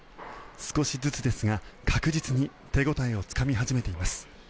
少しずつですが確実に手応えをつかみ始めています。